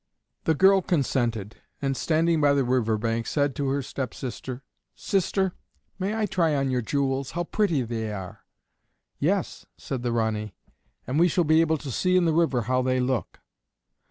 The girl consented, and standing by the river bank, said to her stepsister, "Sister, may I try on your jewels? how pretty they are!" "Yes," said the Ranee, "and we shall be able to see in the river how they look."